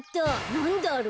なんだろう？